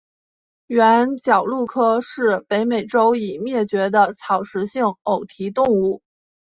原角鹿科是北美洲已灭绝的草食性偶蹄动物。